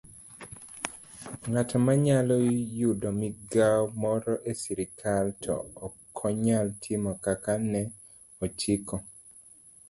Ng'ato nyalo yudo migawo moro e sirkal to okonyal timo kaka ne ochike